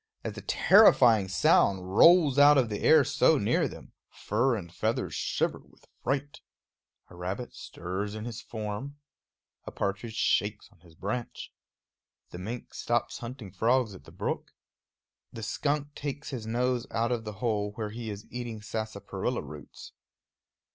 As the terrifying sound rolls out of the air so near them, fur and feathers shiver with fright. A rabbit stirs in his form; a partridge shakes on his branch; the mink stops hunting frogs at the brook; the skunk takes his nose out of the hole where he is eating sarsaparilla roots.